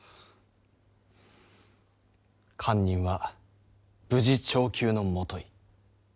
「堪忍は無事長久のもとい」。